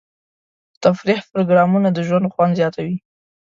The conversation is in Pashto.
د تفریح پروګرامونه د ژوند خوند زیاتوي.